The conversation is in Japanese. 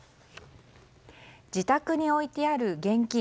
自宅に置いてある現金